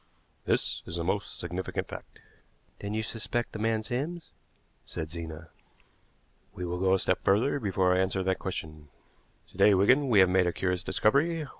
This is a most significant fact." "Then you suspect the man Sims," said Zena. "We will go a step further before I answer that question. To day, Wigan, we have made a curious discovery.